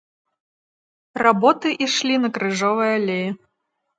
Работы ішлі на крыжовай алеі.